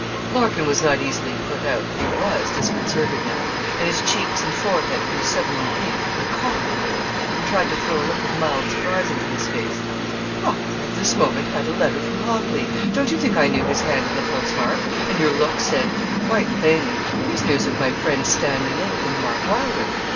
Larkin was not easily put out, but he was disconcerted now; and his cheeks and forehead grew suddenly pink, and he coughed a little, and tried to throw a look of mild surprise into his face. 'Why, you have this moment had a letter from Hockley. Don't you think I knew his hand and the post mark, and your look said quite plainly, "Here's news of my friend Stanley Lake and Mark Wylder."